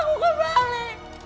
aku mau anak aku kembali